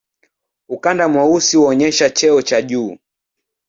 Ukanda mweusi huonyesha cheo cha juu.